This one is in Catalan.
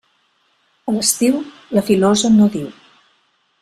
A l'estiu, la filosa no diu.